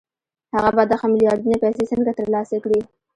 هغه به دغه میلیاردونه پیسې څنګه ترلاسه کړي